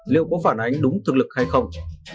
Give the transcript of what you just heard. liệu có phản ánh đúng thực lực hay không